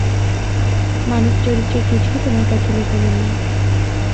মানব-চরিত্রের কিছুই তোমার কাছে লুকোনো নেই।